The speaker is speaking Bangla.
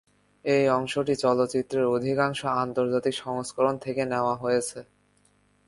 এই অংশটি চলচ্চিত্রের অধিকাংশ আন্তর্জাতিক সংস্করণ থেকে নেওয়া হয়েছে।